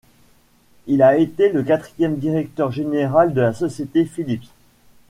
Il a été le quatrième directeur général de la société Philips.